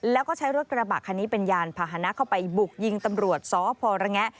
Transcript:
แล้วก็ใช้รถกระบะคันนี้เป็นยานพาหนะเข้าไปบุกยิงตำรวจสพระแงะ